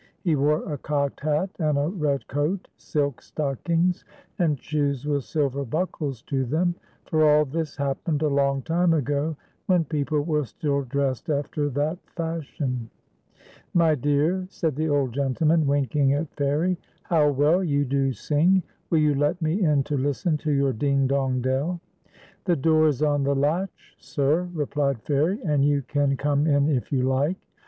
He wore a cocked hat, a red coat, silk stockings, and shoes with silver buckles to them, for all this happened a long time ago, when people were still dressed after that fashion. " My dear," said the old gentleman, winking at FA IN IE AND BROWNIE. 167 Fairie, "how well you do sing. Will \ou let me in to listen to your ' Ding, dong. dell '?" "The door is on the latch, sir," replied Ivairic, "and you can come in if you like."